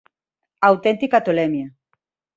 "Auténtica tolemia"